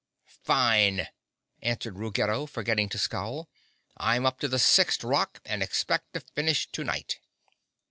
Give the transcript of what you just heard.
"Fine!" answered Ruggedo, forgetting to scowl. "I'm up to the sixth rock and expect to finish to night."